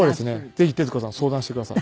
ぜひ徹子さん相談してください。